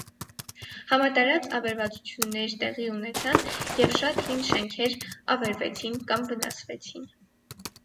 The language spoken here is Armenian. Համատարած ավերվածություններ տեղի ունեցան և շատ հին շենքեր ավերվեցին կամ վնասվեցին։